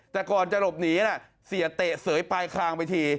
แต่ก่อนจะหลบหนีเสียเตะเสยปลายคลางไปที